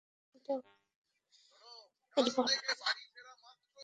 মসজিদে এসে দেখল, সাফওয়ান ইবনে উমাইয়া কাবা চত্বরে কালো পাথরের অদূরে বসে আছে।